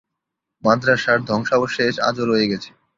মাদ্রাসার ধ্বংসাবশেষ আজও রয়ে গেছে।